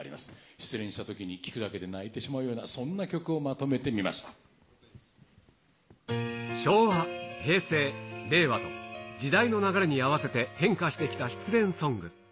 失恋したときに聞くだけで泣いてしまうようなそんな曲をまとめて昭和、平成、令和と、時代の流れに合わせて変化してきた失恋ソング。